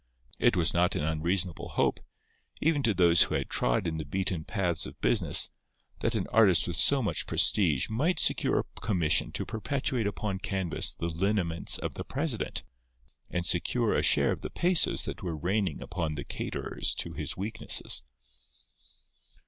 It was not an unreasonable hope, even to those who had trod in the beaten paths of business, that an artist with so much prestige might secure a commission to perpetuate upon canvas the lineaments of the president, and secure a share of the pesos that were raining upon the caterers to his weaknesses.